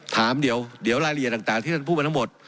ถามเดี๋ยวรายละเอียดต่างที่ท่านพูดมาทั้งหมด